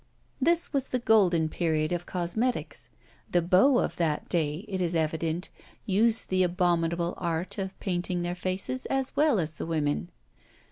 This was the golden period of cosmetics. The beaux of that day, it is evident, used the abominable art of painting their faces as well as the women.